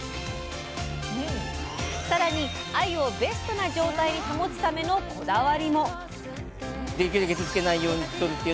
さらにあゆをベストな状態に保つためのこだわりも！